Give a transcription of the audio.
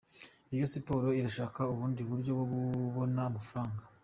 Rayon Sports irashaka ubundi buryo bwo kubona amafaranga.